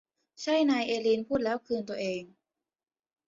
ใช่นายเอลีนพูดแล้วคืนตัวเอง